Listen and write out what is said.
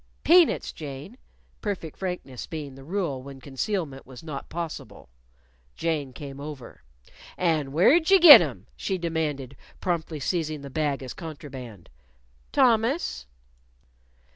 "Peanuts, Jane," perfect frankness being the rule when concealment was not possible. Jane came over. "And where'd you git 'em?" she demanded, promptly seizing the bag as contraband. "Thomas."